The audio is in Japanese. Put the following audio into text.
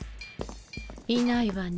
いないわね。